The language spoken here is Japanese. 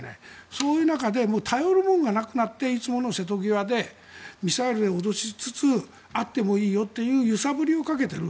そういう中で頼るものがなくなっていつもの瀬戸際でミサイルで脅しつつあってもいいよっていう揺さぶりをかけている。